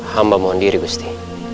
hamba mohon diri gusti